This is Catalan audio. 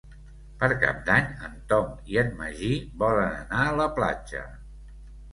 Per Cap d'Any en Tom i en Magí volen anar a la platja.